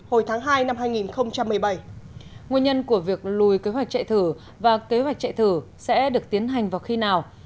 hồi tháng hai năm hai nghìn một mươi bảy nguyên nhân của việc lùi kế hoạch chạy thử và kế hoạch chạy thử sẽ được tiến hành vào khi nào